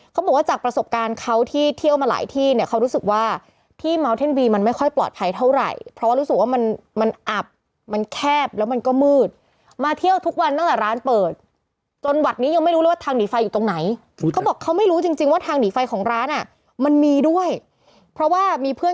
เขาบอกว่าจากประสบการณ์เขาที่เที่ยวมาหลายที่เนี่ยเขารู้สึกว่าที่เมาเท่นบีมันไม่ค่อยปลอดภัยเท่าไหร่เพราะว่ารู้สึกว่ามันมันอับมันแคบแล้วมันก็มืดมาเที่ยวทุกวันตั้งแต่ร้านเปิดจนวัดนี้ยังไม่รู้เลยว่าทางหนีไฟอยู่ตรงไหนเขาบอกเขาไม่รู้จริงจริงว่าทางหนีไฟของร้านอ่ะมันมีด้วยเพราะว่ามีเพื่อน